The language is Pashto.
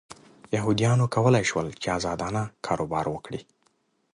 یهودیانو کولای شول چې ازادانه کاروبار وکړي.